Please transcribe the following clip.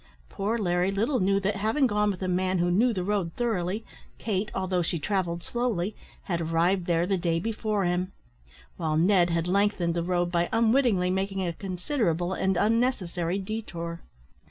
Poor Larry little knew that, having gone with a man who knew the road thoroughly, Kate, although she travelled slowly, had arrived there the day before him; while Ned had lengthened the road by unwittingly making a considerable and unnecessary detour.